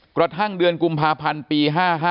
กระทั่งเดือนกุมภาพันธ์ปี๕๕